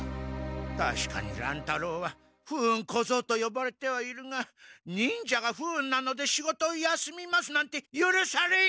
たしかに乱太郎は不運小僧とよばれてはいるが忍者が「不運なので仕事を休みます」なんてゆるされん！